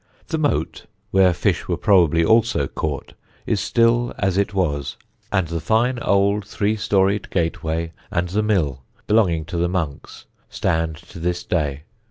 The moat, where fish were probably also caught, is still as it was, and the fine old three storied gateway and the mill belonging to the monks stand to this day.